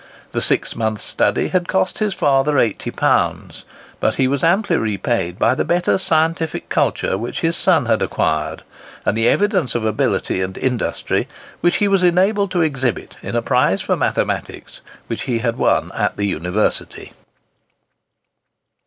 The six months' study had cost his father £80; but he was amply repaid by the better scientific culture which his son had acquired, and the evidence of ability and industry which he was enabled to exhibit in a prize for mathematics which he had won at the University.